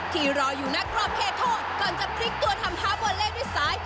ที่รออยู่หน้ากรอบเขตประตูก่อนจะพลิกตัวทำภาพบอลเล่นด้วยสาย